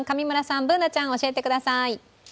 Ｂｏｏｎａちゃん、教えてください。